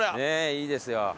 いいですよ。